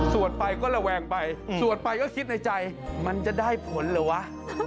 ไปก็ระแวงไปสวดไปก็คิดในใจมันจะได้ผลเหรอวะ